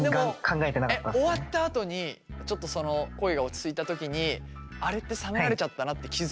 えっでも終わったあとにちょっとその行為が落ち着いた時にあれって冷められちゃったなって気付いた？